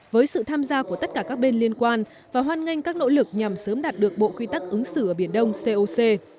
với sự tham gia của tất cả các bên liên quan và hoan nghênh các nỗ lực nhằm sớm đạt được bộ quy tắc ứng xử ở biển đông coc